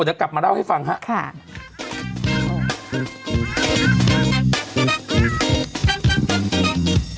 เดี๋ยวกลับมาเล่าให้ฟังครับ